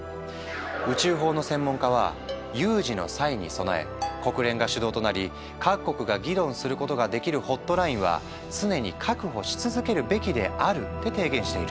宇宙法の専門家は「有事の際に備え国連が主導となり各国が議論することができるホットラインは常に確保し続けるべきである」って提言しているんだ。